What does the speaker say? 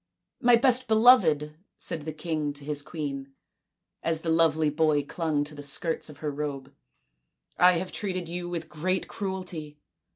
" My best beloved," said the king to his queen, as the lovely boy clung to the skirts of her robe, " I have treated you with great cruelty.